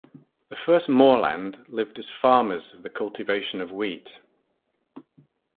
The first Moorland lived as farmers of the cultivation of wheat.